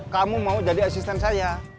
kamu mau jadi asisten saya